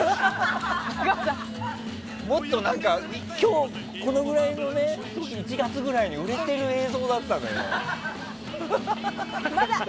もっと、このくらいの今日、１月くらいに売れてる映像だったんだよ。